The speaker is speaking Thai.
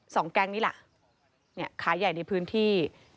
สองแก๊งนี้แหละขายใหญ่ในพื้นที่